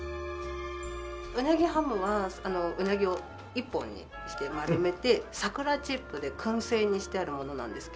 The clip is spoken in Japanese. うなぎハムはうなぎを一本にして丸めて桜チップで燻製にしてあるものなんですけど。